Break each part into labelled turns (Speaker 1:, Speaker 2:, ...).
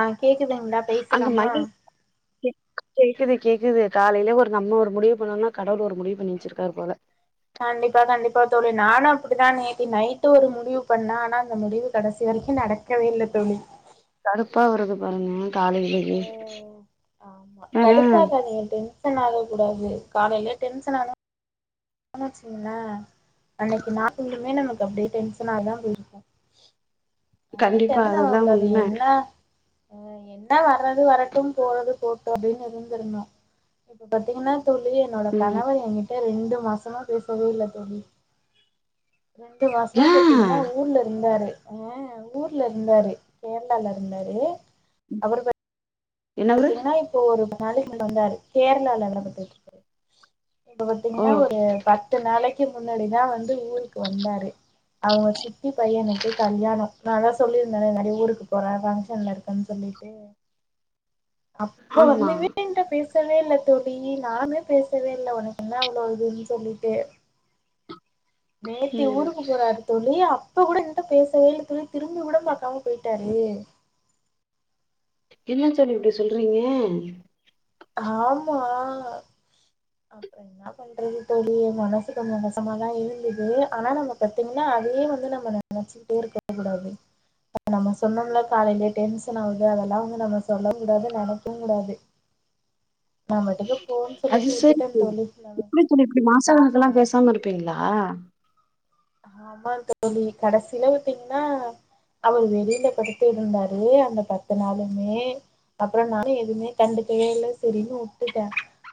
Speaker 1: ஆ கேக்குதுங்களா
Speaker 2: அங்க
Speaker 1: பேசலாமா
Speaker 2: மணி கேக் கேக்குது கேக்குது காலையிலயே ஒரு நம்ம ஒரு முடிவு பண்ணோம்னா கடவுள் ஒரு முடிவு பண்ணிச்வச்சுருக்காரு போல
Speaker 1: கண்டிப்பா கண்டிப்பா தோழி நானும் அப்டிதா நேத்தி நைட்டு ஒரு முடிவு பண்ணே ஆனா அந்த முடிவு கடைசி வ ரைக்கு நடக்கவே இல்ல தோழி
Speaker 2: கடுப்பா வருறது பாருங்க காலையிலயே
Speaker 1: ஆமா
Speaker 2: ஆனா
Speaker 1: கடுப்பாகாநீங்க டென்ஷன் ஆக கூடாது காலையில டென்ஷன் ஆன வச்சங்களே அன்னைக்கு நாலுமே நமக்கு அப்படியே டென்ஷன தா போய் அதுன்னால
Speaker 2: கண்டிப்பா
Speaker 1: டென்ஷன் அவ
Speaker 2: அதுதா
Speaker 1: கூடாது
Speaker 2: உண்ம
Speaker 1: என்ன அ என்ன வர்றது வரட்டும் போறது போட்டும் அப்படின்னு இருந்திரனும் இப்ப பாத்தீங்கன்னா தோழி என்னோட
Speaker 2: ம்
Speaker 1: கணவர் என்கிட்ட ரெண்டு மாசமா பேசவே இல்ல தோழி ரெண்டு மாச ஆ
Speaker 2: ஏ
Speaker 1: பா்த்தீங்கன்னா ஊர்ல இருந்தாரு அ ஊர்ல இருந்தாரு கேரளால ல இருந்தாரு அப்புறம்
Speaker 2: என்னவரு
Speaker 1: பாத்தீங்கன்னா இப்போ ஒரு நாளக்கு வந்தாரு கேரளால எல்லாம் பத்தட்டு இப்ப
Speaker 2: ஓ
Speaker 1: பாத்தீங்கன்னா ஒரு பத்து நாளைக்கு முன்னாடிதா வந்து ஊருக்கு வந்தாரு அவங்க சித்தி பையனுக்கு கல்யாண நா தா சொல்லியிருந்தேன்ல நிறைய ஊருக்கு போறே ஃபங்க்ஷன்ல இருக்கன்னு சொல்லிட்டு அப்ப
Speaker 2: ஆமா
Speaker 1: வந்து வீட்ட பேச பேசவே இல்ல தோழி நீ நானே பேசவே இல்ல உனக்கு என்ன அவ்வளவு இதுன்னு சொல்லிட்டு நேத்தி
Speaker 2: ம்
Speaker 1: ஊருக்கு போறாரு தோழி அப் அப்ப கூட என்ட்ட பேசவேல தோழி திரும்பி கூட பாக்காம போயிட்டாரு
Speaker 2: என்ன தோழி இப்டி சொல்றீங்க
Speaker 1: ஆமா அப்புற என்ன பண்றது தோழி மனசுக்கு கொஞ்சோ மோசமதா இருந்தது ஆனா நம்ம பாத்தீங்கன்னா அதயே வந்து நம்ம நெனைச்சுகிட்டே இருக்க கூடாது நம்ம சொன்னோம்ல காலையிலயே டென்ஷன் ஆவுது அதெல்லா வந்து நம்ம சொல்ல கூடாது நெனைக்கவு கூடாது
Speaker 2: [inaudible]
Speaker 1: நாம பாட்டுக்கு போன்னு
Speaker 2: அது
Speaker 1: சொல்லிட்டு
Speaker 2: சேரி
Speaker 1: விட்டுட்டேன்
Speaker 2: தோழி
Speaker 1: நம்ம
Speaker 2: எப்டி தோழி இப்டி மாசக்கணக்கெல்லா பேசாம இருப்பீங்களா ஆஹ்
Speaker 1: ஆமா தோழி கடைசியில பத்தீங்கன்னா அவரு வெளில படுத்து இருந்தாரு அந்த பத்து நாளுமே அப்புற நானு எதுவுமே கண்டுக்கவே இல்ல சேரின்னு வுட்டுட்ட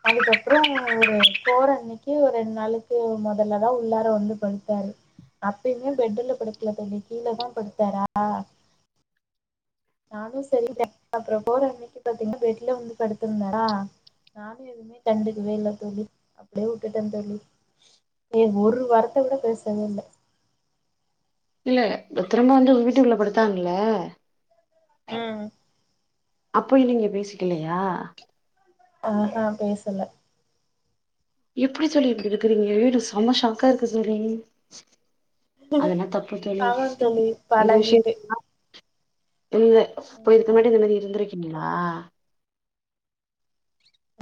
Speaker 1: அதுக்கப்புற ஒரு போற அன்னைக்கு ஒரு ரெண்டு நாளைக்கு முதல்ல தா உள்ளார வந்து படுத்தாரு அப்பயுமே பெட்டுல படுக்கல தோழி கீழ தா படுத்தாரா நானு சேரி [unintelligible] அப்புற போற அன்னைக்கு பாத்தீங்கன்னா பெட்ல வந்து படுத்திருந்தாற நானு எதுவுமே கண்டுக்குவே இல்ல தோழி அப்டியே விட்டுட்ட தோழி ஏ ஒரு வார்த்த கூட பேசவே இல்ல
Speaker 2: இல்ல திரும்ப வந்து வீட்டுக்குள்ள படுத்தாங்கல்ல
Speaker 1: ம்
Speaker 2: அப்பயு நீங்க பேசிக்கலையா
Speaker 1: ஆஹஹ் பேசல
Speaker 2: எப்டி தோழி இப்டி இருக்கறீங்க எனக்கு செம்ம ஷாக்கா இருக்கு தோழி அதெல்லா தப்பு தோழி
Speaker 1: ஆமாந் தோழி
Speaker 2: இந்த
Speaker 1: பழகிட்டு
Speaker 2: விஷயதுலால து இப்ப இதுக்கு முன்னாடி இந்த
Speaker 1: ம்
Speaker 2: மாரி இருந்திருக்கீங்கள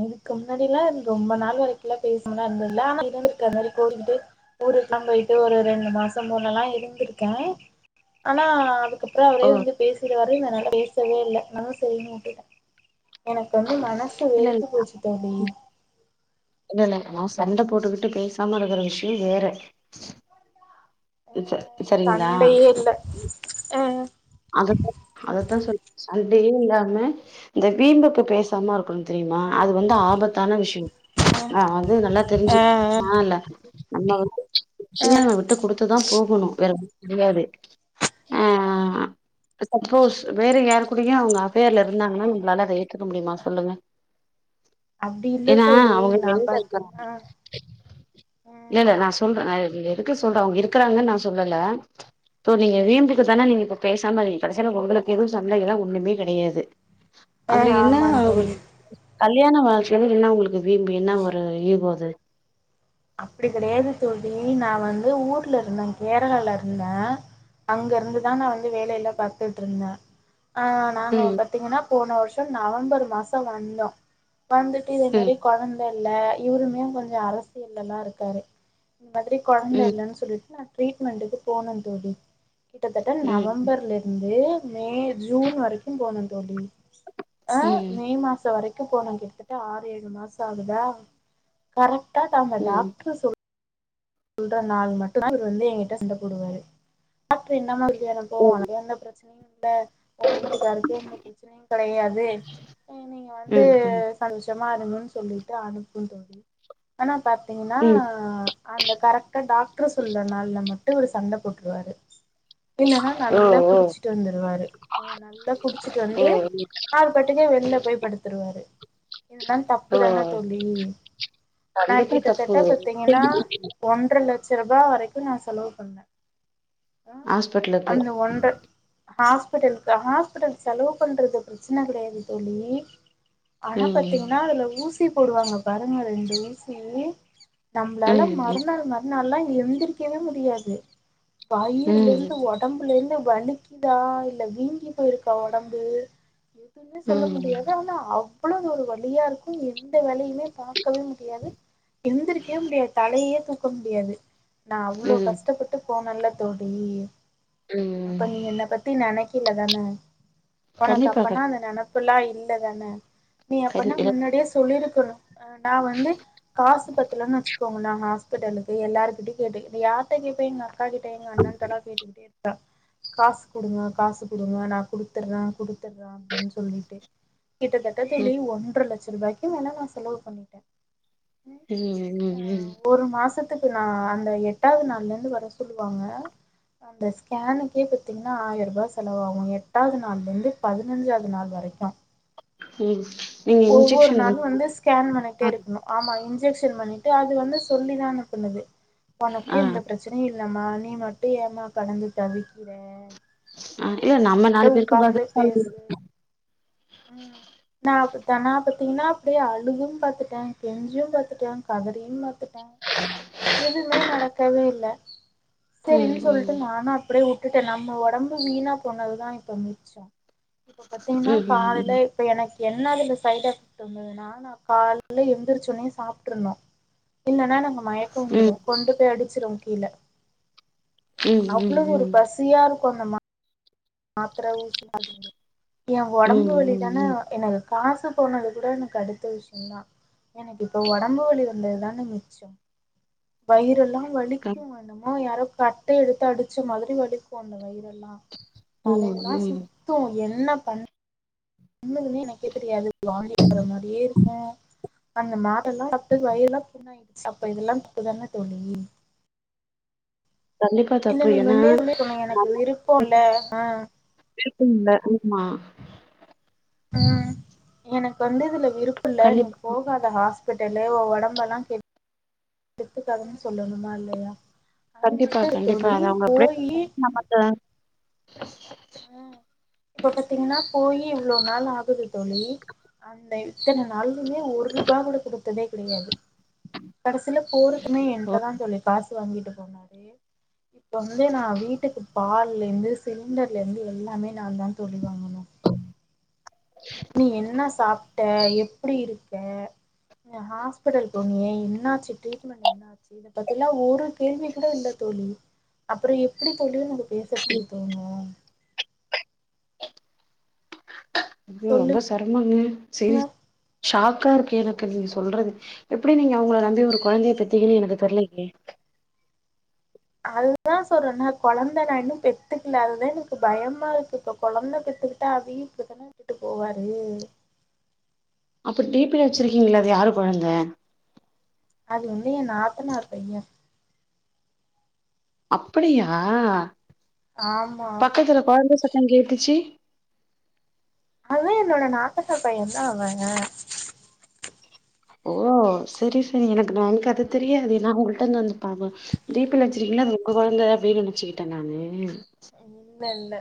Speaker 1: இதுக்கு முன்னாடில்லா ரொம்ப நாள் வரைக்கும்லா பேசாம இருந்ததுல [unintelligible] ஊருக்கல்லா போயிட்டு ஒரு ரெண்டு மாச போலல இருந்திருக்கே ஆனா அது அதுக்கப்புற
Speaker 2: ஓ
Speaker 1: அவரே வந்து பேசிருவாருன்றதுனால பேசவே இல்ல நானு செரினு விட்டுட்ட எனக்கு வந்து மனசு
Speaker 2: இல்ல இல்ல
Speaker 1: வெறுத்து போச்சு தோழி
Speaker 2: இல்ல இல்ல நா சண்டை போட்டுக்கிட்டு பேசாம இருக்கிற விஷய வேற
Speaker 1: அ
Speaker 2: ச சேரிங்களா
Speaker 1: சண்டையே இல்ல அ
Speaker 2: அததா அததா சொல்ல சண்டேயு இல்லாம இந்த வீம்புக்கு பேசாம இருக்கணு தெரியுமா
Speaker 1: அ
Speaker 2: அது வந்து ஆபத்தான விஷய நா வந்து நல்லா
Speaker 1: அ
Speaker 2: தெரிஞ்சு நால்ல நம்ம வந்து சில விஷங்களா விட்டு கொடுத்துதா போகணு வேற முடியாது ஆஹ் சப்போஸ் வேற யாரு கூடயு அவங்க அஃபேர் இருந்தாங்கன்னா உங்களால அத ஏத்துக்க முடியுமா சொல்லுங்க
Speaker 1: அப்டி இல்ல
Speaker 2: ஏன்னா
Speaker 1: தோழி
Speaker 2: அவங்க
Speaker 1: நா
Speaker 2: வெளில
Speaker 1: பாத்தீங்கன்னா
Speaker 2: இருக்கறாங்க இல்லட நா சொல்ற அது எதுக்கு சொல்ற இருக்கறாங்கன்னு நா சொல்லலா இப்போ நீங்க வீம்புக்கு தானே நீங்க இப்போ பேசாம நீ கடைசில உங்களுக்கு எதுவு சண்டைக்குத ஒண்ணுமே கிடையாது
Speaker 1: அ
Speaker 2: அதுல
Speaker 1: அ
Speaker 2: என்ன
Speaker 1: ஆமாந் தோழி
Speaker 2: [inaudible] கல்யாண வாழ்க்கைல என்ன உங்களுக்கு வீம்பு என்ன ஒரு ஈகோ அது
Speaker 1: அப்டி கிடையாது தோழி நா வந்து ஊர்ல இருந்த கேரளல இருந்த அங்க இருந்துதா நா வந்து வேலைைய எல்லா பாத்துட்டு இருந்த ஆஹ் நாங்க
Speaker 2: ம்
Speaker 1: பாத்தீங்கன்னா போன வருஷ நவம்பர் மாச வந்தோ வந்துட்டு இதே
Speaker 2: ம்
Speaker 1: மாரி கொழந்தை இல்ல இவருமே கொஞ்ச அரசியல்லலா இருக்காரு இந்த மாதிரி கொழந்த
Speaker 2: ம்
Speaker 1: இல்ன்னு சொல்லிட்டு நா ட்ரீட்மெண்ட்டுக்கு போன தோழி கிட்டத்தட்ட
Speaker 2: ம்
Speaker 1: நவம்பர்ல இருந்து மே ஜூன் வரைக்கு போன தோழி ஆஹ்
Speaker 2: ம்
Speaker 1: மே மாச வரைக்கு போன கிட்டத்தட்ட ஆறு ஏழு மாச ஆகுதா கரெக் டா தாங்க
Speaker 2: ம்
Speaker 1: டாக்டர் சொல் சொல்ற நாள் மட்டு அவ வந்து எங்கிட்ட சண்ட போடுவாரு டாக்டரு என்னா எனப்போ
Speaker 2: ம்
Speaker 1: அனைய எந்த பிரச்சனையு இல்ல உன் வீட்டுக்காருக்கே எந்த பிரச்சனையு கெடையாது நீங்க வந்து
Speaker 2: ம் ம்
Speaker 1: சந்தோஷம் மாறுங்கன் சொல்லிட்டு அனுப்பு தோழி ஆனா பாத்தீங்கன்னா
Speaker 2: ம்
Speaker 1: அந்த டாக்டர் சொல்லற நாள்ல மட்டு ஒரு சண்டை போட்டுருவாரு இல்லன்னா
Speaker 2: ஓ
Speaker 1: நல்லா
Speaker 2: ஓ
Speaker 1: குடிச்சிட்டு வந்துருவாரு நல்லா குடிச்சிட்டு
Speaker 2: ஓ
Speaker 1: வந்து ஆறு பட்டுக்க வெளில போய் படுத்தருவாரு இதுதா
Speaker 2: ஓ
Speaker 1: தப்புதான தோழி நா
Speaker 2: கண்டிப்பா தப்பு
Speaker 1: கிட்டத்தட்ட பாத்தீங்கன்னா ஒன் றர லட்ச ரூபா வரைக்கு நா செலவு பண்ணே அ
Speaker 2: ஹாஸ்பிட்டலுக்கு
Speaker 1: அந்த ஒன்று ஹாஸ்பிடலு ஹாஸ்பிடல் செலவு பண்றது பிரச்சனை கெடையாது தோழி ஆனா
Speaker 2: ம்
Speaker 1: பாத்தீங்கன்னா அதுல ஊசி போடுவாங்க பாருங்க ரெண்டு ஊசி நம்மளாலா
Speaker 2: ம்
Speaker 1: மற
Speaker 2: ம்
Speaker 1: அதனாலா எழுந்திரக்கவே முடியாது வாயில்லருந்து
Speaker 2: ம்
Speaker 1: ஒடம்புலருந்து வலிக்குதா இல்ல வீங்கி போயிருக்கா ஒடம்பு சொல்ல
Speaker 2: ம்
Speaker 1: முடியாது ஆனா அவ்வளவு ஒரு வழியா இருக்கு எந்த வேலையுமே பாக்கவே முடியாது எந்திருக்கவே முடியாது தலையே தூக்க முடியாது நா அவ்ளோ
Speaker 2: ம்
Speaker 1: கஷ்டப்பட்டு போனேன்ல தோழி
Speaker 2: ம்
Speaker 1: அப்ப நீ என்னை பத்தி நெனைக் கல தான உனக்கு
Speaker 2: கண்டிப்பா
Speaker 1: அப்பனா
Speaker 2: கண்டிப்பா
Speaker 1: அந்த நெனப்புல்லா இல்லதான நீ எப்பனா
Speaker 2: கண்டி- இல்ல.
Speaker 1: முன்னாடியே சொல்லிருக்கணு ஆ நா வந்து காசு பத்துலன்னு வச்சுக்கோங்க ந ஸ்பிட்டலுக்கு எல்லாருகிட்டய கேட்டு இத யார்கிட்ட கேப்பே எங்க அக்கா கிட்ட எங்க அண்ணகிட்டலா கேட்டுக்கிட்டே இருப்பே காசு குடுங்க காசு குடுங்க நா குடுத்துடுறே குடுத்துடுறே அப்டின்னு சொல்லிட்டு கிட்டத்தட்ட
Speaker 2: ம்
Speaker 1: தெழி ஒன்ர லட்ச ரூபாய்க்கு வே னா நா செலவு பண்ணிட்டே
Speaker 2: ம் ம் ம்
Speaker 1: ஒரு மாசத்துக்கு நா அந்த எட்டாவது நாள்ல இருந்து வர சொல்லுவாங்க அந்த ஸ்கேனுக்கே பாத்தீங்கன்னா ஆயிரூபாய் செலவாகு எட்டாவது நாள்லுருந்து பதினஞ்சாவது நாள் வர கக்கு
Speaker 2: ம் நீங்க
Speaker 1: ஒவ்வொரு
Speaker 2: இன்ஜெக்ஷன்
Speaker 1: நாளு வந்து ஸ்கேன் பண்ணிட்டே
Speaker 2: ஆ
Speaker 1: இருக்கணு ஆமா இந் அது வந்து சொல்லிதா அனுப்புனது ஒனக்கு
Speaker 2: ஆ
Speaker 1: எந்த பிரச்சனையு இல்லாம நீ மட்டு ஏமா கடந்து தவிக்கிற
Speaker 2: ஆ இல்ல நம்ம
Speaker 1: அவர்ட்ட
Speaker 2: நாலு பேருக்கு
Speaker 1: உக்காந்து
Speaker 2: பதில்
Speaker 1: பேசு
Speaker 2: சொல்லணும்ல
Speaker 1: அப்பத்தானா பாத்தீங்கன்னா அப்டியே அழுதும் பாத்துட்டே கெஞ்சியும் பாரத்துட்டே கதறியும் பத்துட்டே எதுவுமே நடக்கவே இல்ல
Speaker 2: ம்
Speaker 1: சரின்னு
Speaker 2: ம்
Speaker 1: சொல்லிட்டு நானு அப்டியே விட்டுட்டே நம்ம ஒடம்பு வீணா போண்ணதுதா இப்ப மிச்ச இப்ப பாத்தீங்கன்னா
Speaker 2: ம்
Speaker 1: காலில இப்ப எனக்கு என்னாதுல சைட் எஃபெக்ட் வந்ததுன்னா நா கால்ல எழுந்திரச்ச ஒனே சாப்ட்ரனு இல்லன்னா நாங்க மயக்க வந்துரு
Speaker 2: ம்
Speaker 1: கொண்டு போய் அடிச்சிருவோ கீழ
Speaker 2: ம் ம் ம்
Speaker 1: அவ்வளது ஒரு பசியா இருக் கொந்த மா [inaudible] மாத்திர ஊசிய ஏ
Speaker 2: ம்
Speaker 1: ஒடம்பு
Speaker 2: ம்
Speaker 1: வழி
Speaker 2: ம்
Speaker 1: தான
Speaker 2: ம்
Speaker 1: ஏ காசு போனது கூட எனக்கு அடுத்த விஷயந்தா எனக்கு இப்ப ஒடம்பு வலி வந்ததுதாங்க மிச்சோ வயிறெல்லா வலி
Speaker 2: கம்
Speaker 1: வேண்டமோ யாரோ கட்டை எடுத்து அடிச்ச மாதிரி வலிக்கு அந்த வயிறெல்லா
Speaker 2: ம்
Speaker 1: தலையெல்லா
Speaker 2: ம்
Speaker 1: சுத்து என்ன பண்ண உன்னுக்குன்னே எனக்கே தெரியாது வாந்தி வர மாரியே இருக்கு அந்த மாட்டல்லா சாப்ட்டு வயல்லா புண்ண ஆயிடுச்சு அப்ப இதெல்லா புக்கு தானே தோழி
Speaker 2: கண்டிப்பா
Speaker 1: இல்ல
Speaker 2: தப்பு
Speaker 1: நீ
Speaker 2: ஏன்னா
Speaker 1: முன்னே சொல்லிருக்கணு எனக்கு விருப்போ இல்ல
Speaker 2: [unintelligible] இல்ல ஆமா
Speaker 1: உம் எனக்கு வந்து இதுல விருப்பு இல்ல நீ
Speaker 2: கண்டிப்பா
Speaker 1: போகாத ஹஸ் பெட்டலு உ ஒடம்பெல்லா கே டுத்துக்காதன்னு சொல்லணுமா இல்லையா அது
Speaker 2: கண்டிப்பா
Speaker 1: மட்டு இல்ல
Speaker 2: கண்டிப்பா
Speaker 1: தோழி
Speaker 2: அத அவங்க எப்படிய
Speaker 1: போயி
Speaker 2: நமக்கு
Speaker 1: இப்ப பாத்தீங்கன்னா போயி இவ்ளோ நாள் ஆகுது தோழி அந்த இத்தன நாாலுமே ஒரு ரூபாய கூட கொடுத்ததே கிடையாது கடைசில போருக்குமே
Speaker 2: ஓ
Speaker 1: என்ட்ட தா தோழி காசு வாங்கிட்டு போனாரு இப்ப வந்து நா வீட்டுக்கு பால்லந்து சிலிண்டர்ல இருந்து எல்லாமே நா தா தோழி வாாங்கனும் நீ என்ன சாப்ட்ட எப்படி இருக்க ஹாஸ்பிடலு போனியே என்னாச்சு ட்ரீட்மெண்ட் என்னாச்சு இத பத்திலா ஒரு கேள்வி கூட இல்ல தோ தோழி அப்ரோ எப்படி தோழி நம பேசறதுக்கு தோணும்
Speaker 2: ஐயோ
Speaker 1: சொல்லு
Speaker 2: ரொம்ப சரமங்க செரி ஷாக்கா இருக்கு கு எனக்கு நீங்க சொல்றது எப்படி நீங்க அவங்கள நம்பி ஒரு குழந்தைய பெத்தீங்கன்னு எனக்கு தெரலயே
Speaker 1: அதுதா சொல்ற நா குழந்த நா இன்னு பெத்துக்கல அதுதா எனக்கு பயமா இருக்கு இப்ப குழந்த பெ த்துக்கிட்டா அதயு இப்படித்தானே விட்டுட்டு போவாரு
Speaker 2: அப்ப டடிபில வச்சிருக்கீங்கள அது யாரு குழந்த
Speaker 1: அது வந்து எ நாத்தனார் பைய
Speaker 2: அப்படியா
Speaker 1: ஆமா
Speaker 2: பக்கத்துல குழந்த சத்தோ கேட்டுச்சு
Speaker 1: அவ என்னோட நாத்தனா பைய தா அவ
Speaker 2: ஓ சரி சரி எனக்கு நா எனக்கது
Speaker 1: ம்,
Speaker 2: தெரியாதே உங்களுக்கு டன் வந்து பாப்ப டிப்பல வச்சிருக்கிங்கல்ல அது உங்க குழந்தை அப்படின்னு நினைச்சுக்கிட்ட நானு
Speaker 1: இல்ல இல்ல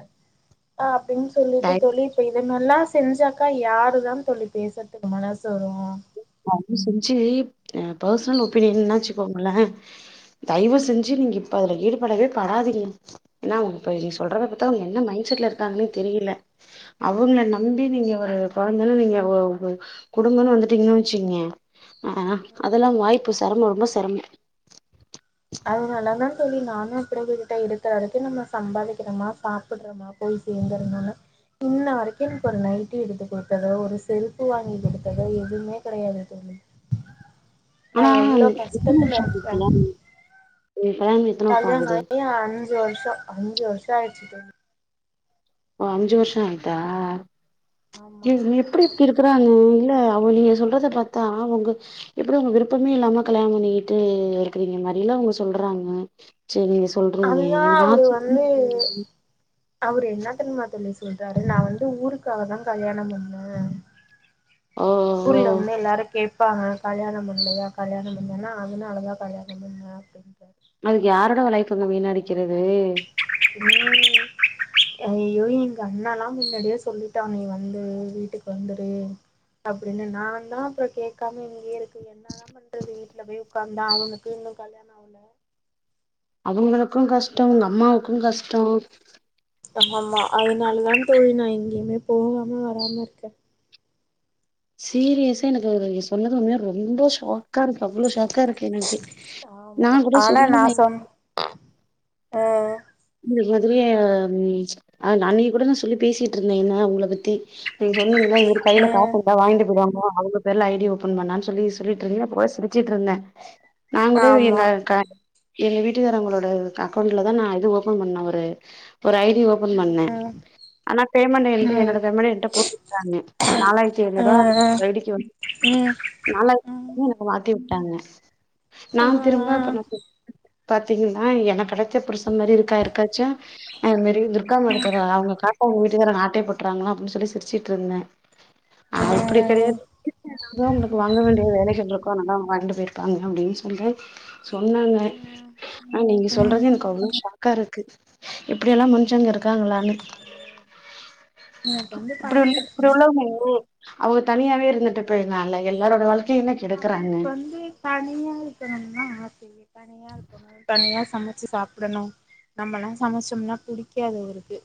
Speaker 1: அப்படின்னு சொல்லிட்டு
Speaker 2: தயவு
Speaker 1: தோழி இப்ப நல்லா செஞ்சாக்கா யாருதா தோழி பேசுராதுக்கு மனசு வரு
Speaker 2: செஞ்சு பர்சனல் ஒபீனியனாச்சு கோங்கலே தயவு
Speaker 1: ம்
Speaker 2: செஞ்சு நீங்க இப்ப அதுல ஈடுபடவே படாதீங்க ஏன்ன உங்க இ நீங்க
Speaker 1: ம்
Speaker 2: சொல்றதப்ப பத்தா அவுங்க என்ன மண்ட் செட்ல இருக்காங்கன்னு தெரியல அவங்கள நம்பி நீங்க ஒரு குழந்தாலும் நீங்க குடும்பன்னனு வந்துட்டீங்கன்னு சிங்க ஆ
Speaker 1: ம்
Speaker 2: அதெல்லாம் வாய்ப்பு சரமோ ரொம்ப சரமோ
Speaker 1: அததுனாலா நா தோழி நானு அப்படி விட்டுட்ட இருக்கற அரைக்கு நம்ம சம்பாதிக்கிறோம்மா சாப்பிடுறோமா போய் சேர்ந்துறனுனு இன்ன வரைக்கு எனக்கு ஒரு நைட்டி எடுத்து கொடுத்ததோ ஒரு செருப்பு வாங்கி கொடுத்ததோ எதுமே கடையாது தோழி
Speaker 2: அனா
Speaker 1: நான் எவ்ளோ
Speaker 2: எத்தன
Speaker 1: கஷ்டத்துல
Speaker 2: வருஷம் [unintelligible]
Speaker 1: கல்யான ஆயி அஞ்சு வருஷோ அஞ்சு வருஷோ ஆயிடுச்சு தோழி
Speaker 2: ஓ அஞ்சு வருஷோ ஆயிட்டா
Speaker 1: ஆமா
Speaker 2: இது எப்படி இப்டி இருக்குறாங்க இல்ல அவங்க நீங்க சொல்றத பாத்தா அவங்க எப்படி உங்க விருப்பமே இல்லாம கல்யாணம் பண்ணிக்கிட்டு இருக்கறீங்க மாிலாம் அவங்க சொல்றாங்க செரி நீங்க சொல்றீங்க
Speaker 1: அதுதான் அவரு வந்து
Speaker 2: [unintelligible]
Speaker 1: அவரு என்னத்தேரியுமா தோழி சொல்றாரு நா வந்து ஊருக்காக தா கல்யாணம் பண்ண
Speaker 2: ஓ ஓ
Speaker 1: ஊர்ல வந்து எல்லாரும் கே ப்பங்க கல்யாணம் பண்லயா கல்யாணம் பண்லயா அதுனலதா கல்யாணம் பண்ண அப்படின்டாரு
Speaker 2: அதுக்கு யாரோட வ லைஃப் வந்தூ வீன் அடிக்கிறது
Speaker 1: [inaudible] அஐயோ எங்க அண்ண எல்லா பின்னாடியே சொல்லிட்டா நீ வந்து வீட்டுக்கு வந்துரு அப்படின்னு நா தா அப்ரோ கேக்காம இங்கேயே இருக்க என்னதா பண்றது வீட்டுல போய் உட்காந்தா அவனுக்கு இன்னும் கல்யாணம் அவல
Speaker 2: அவங்களுக்கும் கஷ்டம் உங்க அம்மாவுக்கும் கஷ்டோ
Speaker 1: ஆமா அதனால தா தோழி நா எங்கேயுமே போகாம வராம இருக்க
Speaker 2: சீரியஸா எனக்கு சொன்னது உண்மையே ரொம்ப ஷாக்கா இருக்கு அவ்வளோ ஷ கா இருக்கு எனக்கே நா
Speaker 1: ஆமா
Speaker 2: கூட
Speaker 1: ஆனா
Speaker 2: சொல்லி நா
Speaker 1: நான் சொன் ஆ
Speaker 2: இதுக்கு மதிரியே ஹ அன்னைகு கூட நா சொல்லி பேசிட்டு இருந்த என்ன உங்கள பத்தி நீங்க சொன்னீங்கல்ல இந்த மாரி கையில காச
Speaker 1: ஆ
Speaker 2: இருந்தா வாங்கிட்டு போய்டுவாங்க அவங்க பேருல ஐடி ஓபன் பண்ணான்னு சொல்லி சொல்லிட்டுருந்தீங்கன்ன போ சிரிச்சிட்டு இருந்த நா கூட
Speaker 1: ஆமா
Speaker 2: எங்க க எங்க வீட்டுகாரங்களோட க அக்கௌண்ட்ல தா நா இது ஓ ப்பன் பண்ண ஒரு ஒரு ஐ டி ஓப்பன் பண்ணே
Speaker 1: ம்
Speaker 2: ஆனா பேமெண்டு என்து என்னோட
Speaker 1: ம்
Speaker 2: பேமெண்ட என்ட்ட போட்டுட்டாங்க நாலாயிர்த் தி ஐநூறுவா
Speaker 1: ஆ ம்
Speaker 2: ரெடிக்கு
Speaker 1: ம்
Speaker 2: [inaudible] மாத்தி டாங்க நா திரும்ப
Speaker 1: ஆ
Speaker 2: இப்ப நா பாத்தீங்கன்னா என கெடைச்ச புருச மாரி இரு க்கா யாருக்காச்சு அ இது மாரி துர்கா மேடத்தோட அவுங்க காத்தவுங்ள் து வேற ந ஆட்டைய போட்றாங்களா அப்டின் சொல்லி சிரிச்சிட்ருந்தே
Speaker 1: ஆ
Speaker 2: அப்பிடி கெடையாத் [inaudible] உங்குளுக்கு வாங்க வேண்டியது ரிலேஷன்ருக்கோ நல்லா அவங்க வாழ்ண்டு போயிருப்பாங்க அப்டின் சொல்லி சொன்னாங்க
Speaker 1: ம்
Speaker 2: ஆ நீங்க
Speaker 1: ம்
Speaker 2: சொல்றது எனக்கு அவ்ளோ ஷாக்கா இருக்கு இ ப்படியெல்லா மனுசங்க இருக்காங்களானு
Speaker 1: அது [unintelligible]
Speaker 2: இப்பிடி உள்ள இப்பிடி
Speaker 1: பழகிடுச்சுன்னு
Speaker 2: உள்ளவங்க
Speaker 1: வச்சுக்கோங்களேன்
Speaker 2: [unintelligible] அவுங்க தனியாவே இருந்துட்டு போய்ட்ல்லா இல்ல எல்லாரோட வாழ்க்கையுமே
Speaker 1: அவுருக்கு வந்து தனியா இருக்கணும்னா ஆசையே தனியா இருக்கணு தனியா சமைச்சு சாப்பிடணு நம்மல்லா சமைச்சம்னா புடிக்காது அவுருக்கு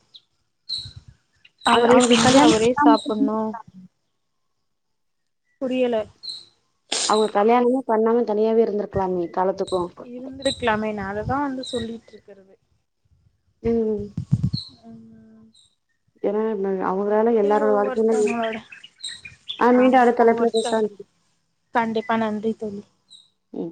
Speaker 2: அது
Speaker 1: அவுரே
Speaker 2: அவங்க
Speaker 1: செஞ்சு
Speaker 2: கல்யாணம்
Speaker 1: அவுரே
Speaker 2: பண்ணாம
Speaker 1: சாப்புண்ணு புரியல
Speaker 2: அவுங்க கல்யாணமே பண்ணாம தனியாவே இருந்திருக்கலாமே காலத்து
Speaker 1: இருந்திருக்கலாமே நா அததா வந்து சொல்லிட்ருக்கறது
Speaker 2: ம்
Speaker 1: ம்
Speaker 2: ஏன்னா ந
Speaker 1: என்னா
Speaker 2: அவங்களால
Speaker 1: தோழி
Speaker 2: எல்லாரோட வாழ்க்கையில
Speaker 1: ஒவ்வொருத்தவுங்ளோட
Speaker 2: ஆ மீண்டும்
Speaker 1: ஆமா
Speaker 2: அடுத்த தலைப்புல
Speaker 1: ஒவ்வொருத்தரும்
Speaker 2: பேசலாம்
Speaker 1: கண்டிப்பா நன்றி தோழி
Speaker 2: ம்